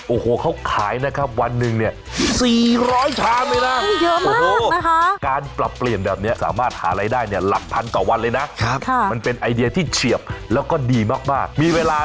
โอ้โหเขาขายนะครับวันหนึ่ง๔๐๐ชามเลยนะ